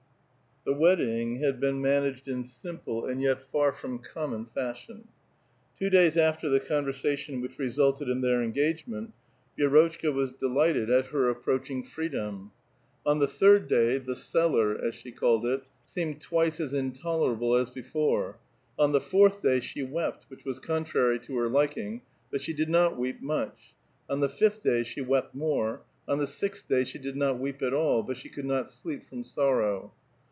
The wedding had been managed in simple, and yet far '^m common fashion. Two days after the conversation which resulted in their Engagement, Vi^rotchka was delighted at her approaching * Po ly6vo. 132 A VITAL QUESTION. frcdLim. On the tliii d day the "cellar," as she called it, seiMiiiHl twice as int4»liTable as before ; ou the fourth day she wept, which was contrary to her liking, but she did not weep much : ou the fifth day she wept more ; on the sixth day she did not weep at all, but she could not sleep from sorrow.